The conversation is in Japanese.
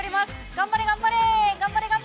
頑張れ、頑張れ！